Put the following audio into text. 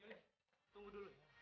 yul tunggu dulu